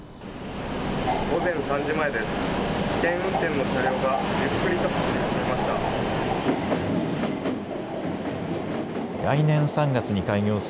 午前３時前です。